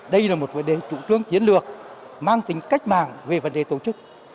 đây là một vấn đề chủ trương chiến lược mang tính cách mạng về vấn đề tổ chức